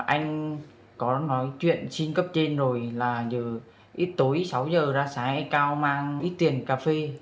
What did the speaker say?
anh có nói chuyện xin cấp trên rồi là từ ít tối sáu h ra xã yà cao mang ít tiền cà phê là bốn trăm linh ngàn